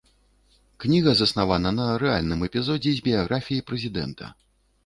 Кніга заснавана на рэальным эпізодзе з біяграфіі прэзідэнта.